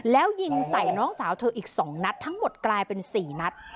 แล้วยิงใส่น้องสาวเธออีก๒นัดทั้งหมดกลายเป็น๔นัด